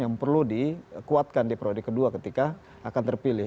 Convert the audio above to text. yang perlu dikuatkan di periode kedua ketika akan terpilih